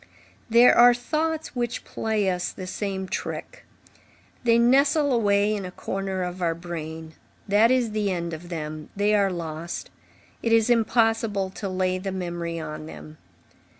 There are thoughts which play us the same trick; they nestle away in a corner of our brain; that is the end of them; they are lost; it is impossible to lay the memory on them.